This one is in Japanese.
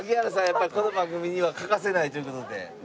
やっぱりこの番組には欠かせないという事で。